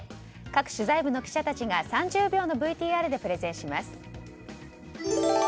各取材部の記者たちが３０秒のＶＴＲでプレゼンします。